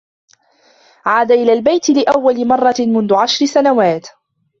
عاد إلى البيت لأول مرة منذ عشر سنوات.